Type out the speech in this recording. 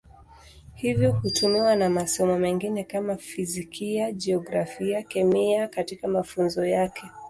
Hivyo hutumiwa na masomo mengine kama Fizikia, Jiografia, Kemia katika mafunzo yake.